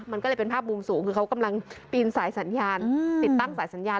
มันก็เลยเป็นภาพมุมสูงคือเขากำลังปีนสายสัญญาณติดตั้งสายสัญญาณ